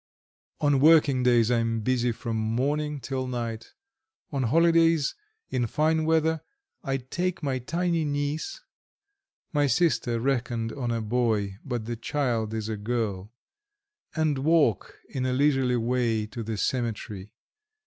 On working days I am busy from morning till night. On holidays, in fine weather, I take my tiny niece (my sister reckoned on a boy, but the child is a girl) and walk in a leisurely way to the cemetery.